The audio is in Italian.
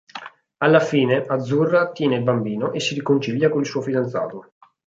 Alla fine, Azzurra tiene il bambino e si riconcilia con il suo fidanzato.